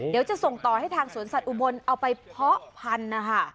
เดี๋ยวจะส่งต่อให้ทางสวนสัตว์อุบลเอาไปเพาะพันธุ์นะคะ